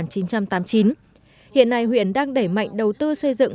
hiện nay huyện đang đẩy mạnh đầu tư xây dựng